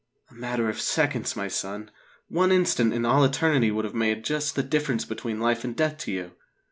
"A matter of seconds, my son. One instant in all eternity would have made just the difference between life and death to you.